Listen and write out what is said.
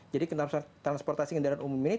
jadi kendaraan transportasi umum ini tidak kalah menantang